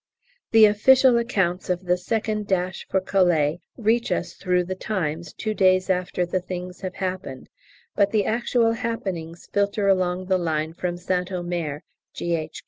The official accounts of the second dash for Calais reach us through 'The Times' two days after the things have happened, but the actual happenings filter along the line from St Omer (G.H.